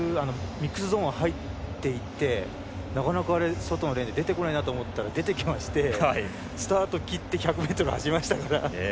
ミックスゾーンに入っていってなかなか外に出てこないなと思ったら出てきましてスタート切って１００ｍ走りましたから。